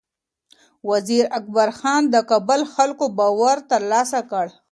وزیر اکبر خان د کابل خلکو باور ترلاسه کړ.